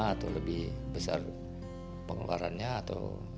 atau lebih besar pengeluarannya atau